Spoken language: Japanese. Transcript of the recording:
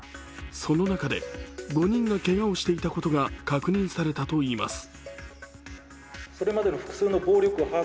その中で５人がけがをしていたことが確認されたといいます。